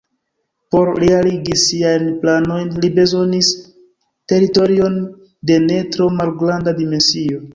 Por realigi siajn planojn li bezonis teritorion de ne tro malgranda dimensio.